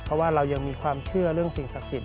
เพราะว่าเรายังมีความเชื่อเรื่องสิ่งศักดิ์สิทธ